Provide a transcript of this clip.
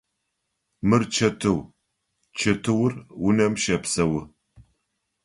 Мыр чэтыу, чэтыур унэм щэпсэу.